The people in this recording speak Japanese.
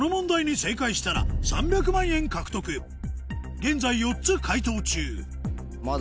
現在４つ解答中